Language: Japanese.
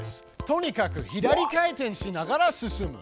とにかく左回転しながら進む。